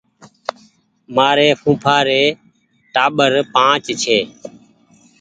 مآري ڦوڦآ ري ٽآٻر پآنچ ڇي